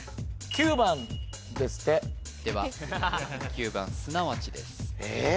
９番ですってでは９番すなわちですえっ！